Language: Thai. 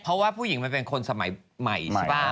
เพราะว่าผู้หญิงมันเป็นคนสมัยใหม่ใช่ป่ะ